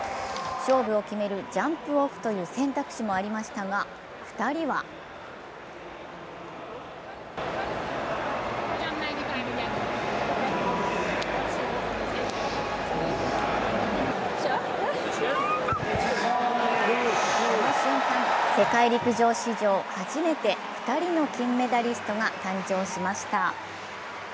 勝負を決めるジャンプオフという選択肢もありましたが２人はこの瞬間、世界陸上史上初めて２人の金メダリストが誕生しました。